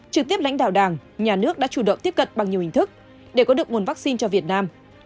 trực tiếp lãnh đạo đảng nhà nước đã chủ động tiếp cận bằng nhiều hình thức để có được nguồn vaccine cho việt nam